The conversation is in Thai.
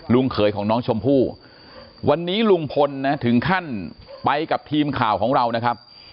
เขยของน้องชมพู่วันนี้ลุงพลนะถึงขั้นไปกับทีมข่าวของเรานะครับ